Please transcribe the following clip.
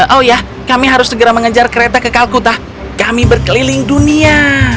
oh ya kami harus segera mengejar kereta ke kalkuta kami berkeliling dunia